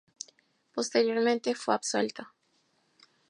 Posteriormente fue absuelto.